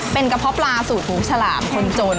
เป็นกระเพาะปลาสูตรหูฉลามคนจน